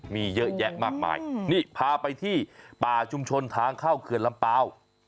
มีเยอะแยะมากมายนี่พาไปที่ป่าชุมชนทางเข้าเขื่อนลำเปล่า